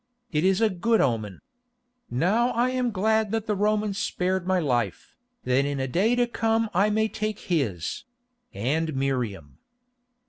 It is a good omen. Now I am glad that the Roman spared my life, that in a day to come I may take his—and Miriam."